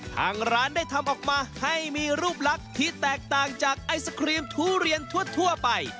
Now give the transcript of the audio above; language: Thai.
ทางร้านได้ทำออกมาให้มีรูปลักษณ์ที่แตกต่างจากไอศครีมทุเรียนทั่วไป